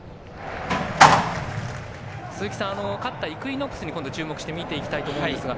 鈴木さん、勝ったイクイノックスに今度注目して見ていきたいと思いますが１